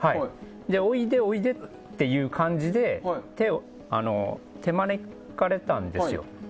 おいで、おいでっていう感じで手まねかれたんですよ。